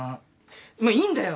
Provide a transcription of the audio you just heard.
まあいいんだよ。